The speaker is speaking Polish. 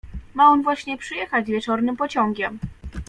Ma on właśnie przyjechać wieczornym pociągiem.